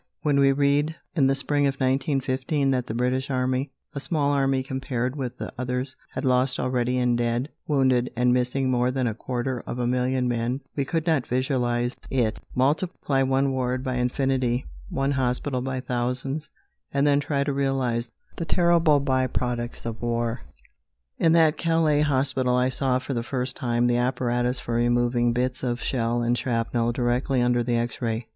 When we read in the spring of 1915 that the British Army, a small army compared with the others, had lost already in dead, wounded and missing more than a quarter of a million men we could not visualise it Multiply one ward by infinity, one hospital by thousands, and then try to realise the terrible by products of war! In that Calais hospital I saw for the first time the apparatus for removing bits of shell and shrapnel directly under the X ray.